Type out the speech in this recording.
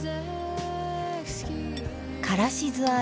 「からし酢あえ」